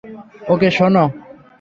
ওকে, শোনো।